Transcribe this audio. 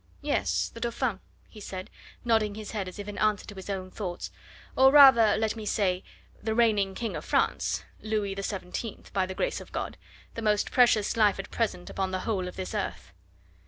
"Yes! the Dauphin," he said, nodding his head as if in answer to his own thoughts, "or rather, let me say, the reigning King of France Louis XVII, by the grace of God the most precious life at present upon the whole of this earth."